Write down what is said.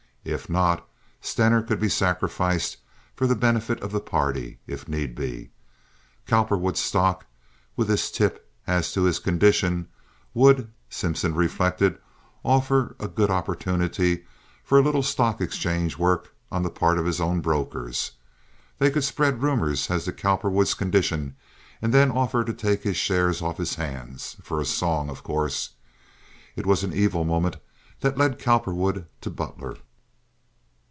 If not, Stener could be sacrificed for the benefit of the party, if need be. Cowperwood's stocks, with this tip as to his condition, would, Simpson reflected, offer a good opportunity for a little stock exchange work on the part of his own brokers. They could spread rumors as to Cowperwood's condition and then offer to take his shares off his hands—for a song, of course. It was an evil moment that led Cowperwood to Butler.